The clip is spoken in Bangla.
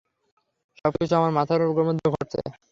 সবকিছু আমার মাথার মধ্যে ঘটছে!